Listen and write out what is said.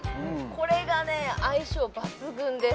これがね相性抜群です